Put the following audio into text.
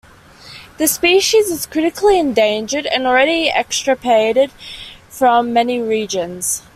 The species is critically endangered and already extirpated from many regions.